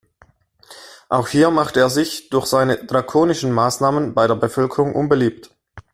Auch hier machte er sich durch seine drakonischen Maßnahmen bei der Bevölkerung unbeliebt.